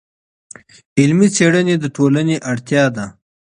علمي څېړنې د ټولنې اړتیا ده.